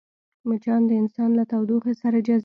مچان د انسان له تودوخې سره جذبېږي